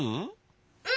うん！